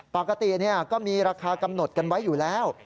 ปกติก็มีราคากำหนดกันไว้อยู่แล้ว